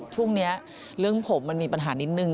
ทุกคนนี้เรื่องผมมันมีปัญหานิดหนึ่ง